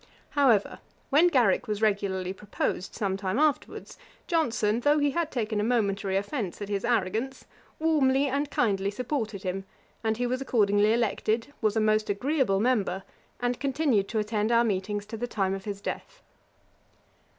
However, when Garrick was regularly proposed some time afterwards, Johnson, though he had taken a momentary offence at his arrogance, warmly and kindly supported him, and he was accordingly elected, was a most agreeable member, and continued to attend our meetings to the time of his death.